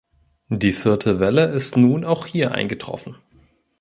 Die vierte Welle ist nun auch hier eingetroffen.